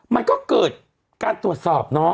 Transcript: มันก็เกิดการตรวจสอบ